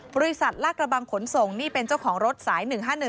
ลากระบังขนส่งนี่เป็นเจ้าของรถสาย๑๕๑